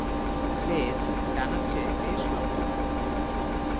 লেজ ডানার চেয়ে বেশ লম্বা।